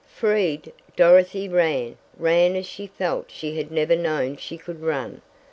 Freed, Dorothy ran ran as she felt she had never known she could run!